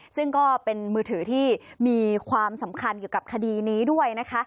ซึ่งก็เป็นมือถือที่มีความสำคัญเกี่ยวกับคดีนี้ด้วยนะคะ